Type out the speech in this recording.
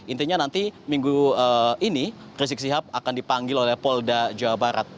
intinya nanti minggu ini rizik sihab akan dipanggil oleh polda jawa barat